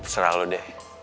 serah lo deh